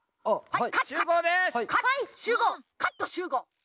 はい！